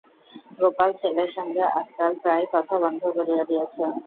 গোপাল ছেলের সঙ্গে আজকাল প্রায় কথা বন্ধ করিয়া দিয়াছে।